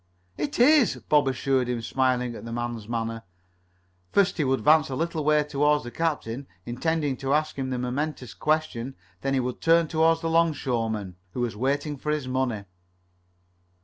"It is," Bob assured him, smiling at the man's manner. First he would advance a little way toward the captain, intending to ask him the momentous question; then he would turn toward the 'longshoreman, who was waiting for his money.